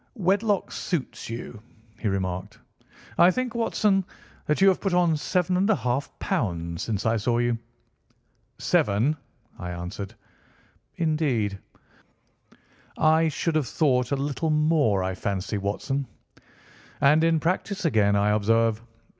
"Wedlock suits you," he remarked. "I think, Watson, that you have put on seven and a half pounds since I saw you." "Seven!" I answered. "Indeed, I should have thought a little more. Just a trifle more, I fancy, Watson. And in practice again, I observe.